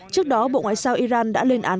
trước đó bộ ngoại giao iran đã lên án